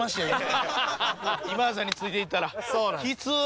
今田さんについていったらキツ。